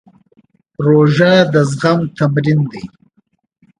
روژه د زغم تمرین دی.